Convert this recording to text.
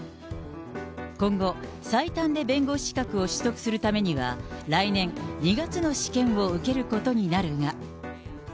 今後、最短で弁護士資格を取得するためには、来年２月の試験を受けることになるが。